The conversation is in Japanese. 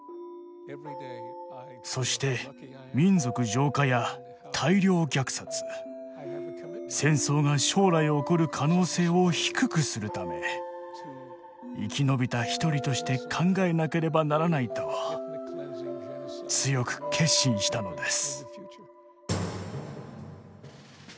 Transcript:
そして民族浄化や大量虐殺戦争が将来起こる可能性を低くするため生き延びた一人として考えなければならないと強く決心したのです。